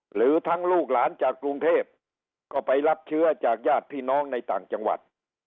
หรือทั้งลูกหลานจากกรุงเทพก็ไปรับเชื้อจากญาติพี่น้องในต่างจังหวัด